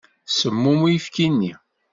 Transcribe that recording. Semmum uyefki-nni.